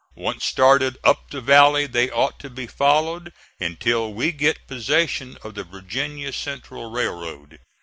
Once started up the valley they ought to be followed until we get possession of the Virginia Central Railroad.